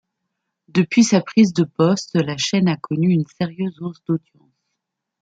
Depuis sa prise de poste, la chaîne a connu une sérieuse hausse d’audience.